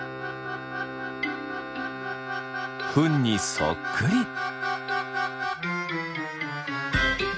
フンにそっくり。